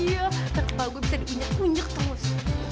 iya terpaku bisa diunyek unyek terus